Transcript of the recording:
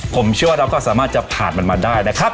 ผมเชื่อว่าเราก็สามารถจะผ่านมันมาได้นะครับ